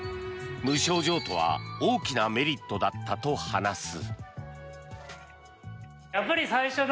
無償譲渡は大きなメリットだったと話す。